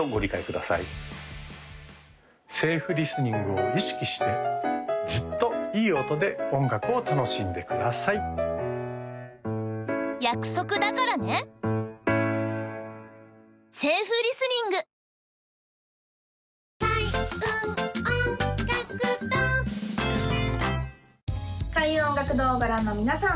セーフリスニングを意識してずっといい音で音楽を楽しんでください開運音楽堂をご覧の皆さん